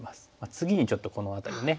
次にちょっとこの辺りのね